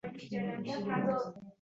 Va erinmay chilvirday eshdim.